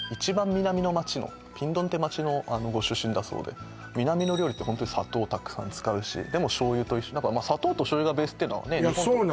南の街のピンドンって街のご出身だそうで南の料理ってホントに砂糖たくさん使うしでも醤油と一緒砂糖と醤油がベースっていうのは日本と一緒なんですよね